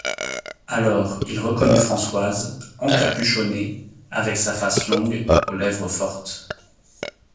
Alors, il reconnut Françoise, encapuchonnée, avec sa face longue, aux lèvres fortes.